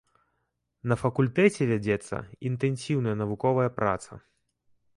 На факультэце вядзецца інтэнсіўная навуковая праца.